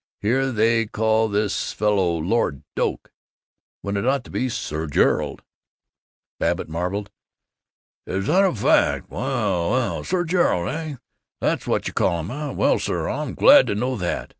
Here they call this fellow 'Lord Doak' when it ought to be 'Sir Gerald.'" Babbitt marvelled, "Is that a fact! Well, well! 'Sir Gerald,' eh? That's what you call um, eh? Well, sir, I'm glad to know that."